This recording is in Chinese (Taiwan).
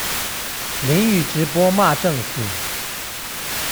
淋雨直播罵政府